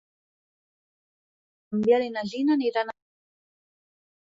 El vint-i-nou de febrer en Biel i na Gina aniran a la platja.